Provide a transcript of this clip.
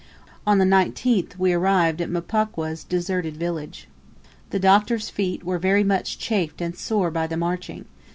On the 19th we arrived at Mpokwa's deserted village. The Doctor's feet were very much chafed and sore by the marching.